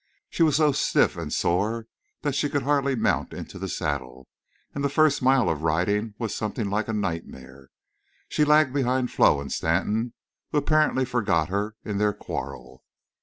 She was so stiff and sore that she could hardly mount into the saddle; and the first mile of riding was something like a nightmare. She lagged behind Flo and Stanton, who apparently forgot her in their quarrel.